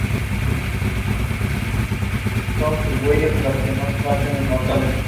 A veces participa de bandas mixtas con otras especies.